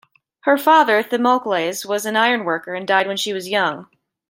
Her father, Thimocles, was an iron worker and died when she was young.